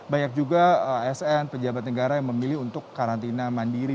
banyak juga asn pejabat negara yang memilih untuk karantina mandiri